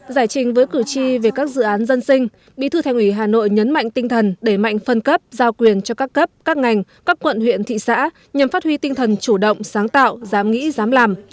giải trình với cử tri về các dự án dân sinh bí thư thành ủy hà nội nhấn mạnh tinh thần để mạnh phân cấp giao quyền cho các cấp các ngành các quận huyện thị xã nhằm phát huy tinh thần chủ động sáng tạo dám nghĩ dám làm